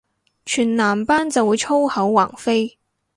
全男班就會粗口橫飛